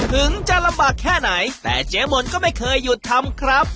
ถึงจะลำบากแค่ไหนแต่เจ๊มนก็ไม่เคยหยุดทำครับ